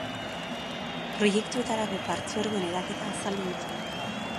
Proiektuetarako partzuergoen eraketa azaldu dute.